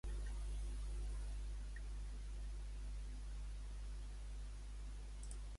Com eren els parteratges?